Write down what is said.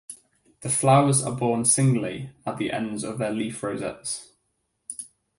The flowers are borne singly at the ends of the leaf rosettes.